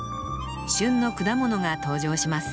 旬の果物が登場します